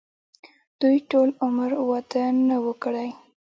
دوي ټول عمر وادۀ نۀ وو کړے